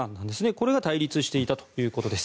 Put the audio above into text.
これが対立していたということです。